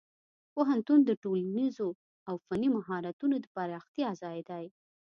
پوهنتون د ټولنیزو او فني مهارتونو د پراختیا ځای دی.